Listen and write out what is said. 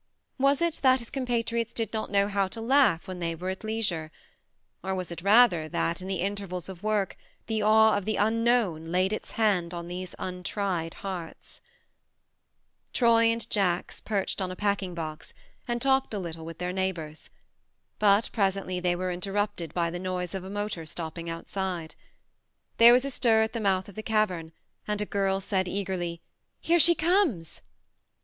Was it that his compatriots did not know how to laugh when they were at leisure, or was it rather that, in the intervals of work, the awe of the unknown laid its hand on these untried hearts ? 100 THE MARNE Troy and Jacks perched on a packing box, and talked a little with their neighbours ; but presently they were interrupted by the noise of a motor stopping outside. There was a stir at the mouth of the cavern, and a girl said eagerly :" Here she comes